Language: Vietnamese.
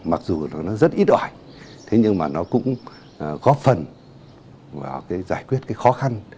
mặc dù nó rất ít ỏi nhưng nó cũng góp phần vào giải quyết khó khăn